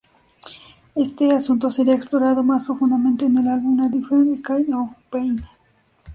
Este asunto sería explorado más profundamente en el álbum "A Different Kind Of Pain".